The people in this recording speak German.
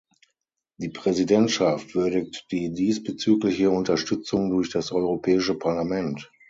Die Präsidentschaft würdigt die diesbezügliche Unterstützung durch das Europäische Parlament.